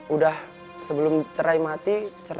udah sebelum cerai mati